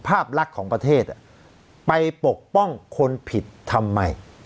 ภาพลักษณ์ของประเทศไปปกป้องคนผิดทำไม